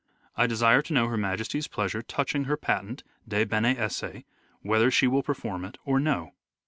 I desire to know Her Majesty's pleasure touching her patent (de bene esse) whether she will perform it or no."